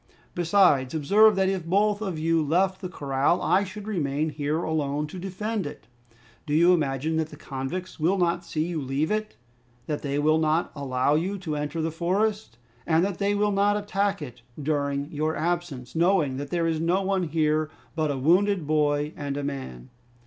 "Besides, observe that if both of you left the corral I should remain here alone to defend it. Do you imagine that the convicts will not see you leave it, that they will not allow you to enter the forest, and that they will not attack it during your absence, knowing that there is no one here but a wounded boy and a man?"